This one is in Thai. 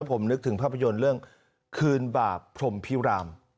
ผมนึกถึงภาพยนตร์เรื่องคืนบาปพรมพิราม